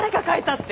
って。